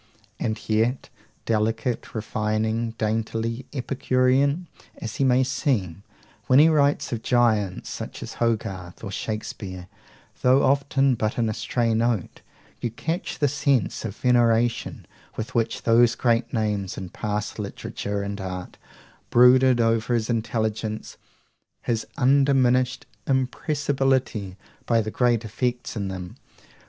And yet, delicate, refining, daintily epicurean, as he may seem, when he writes of giants, such as Hogarth or Shakespeare, though often but in a stray note, you catch the sense of veneration with which those great names in past literature and art brooded over his intelligence, his undiminished impressibility by the great effects in them.